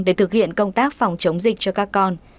để thực hiện công tác phòng chống dịch cho các con